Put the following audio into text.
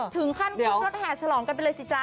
ถึงขั้นขึ้นรถแห่ฉลองกันไปเลยสิจ๊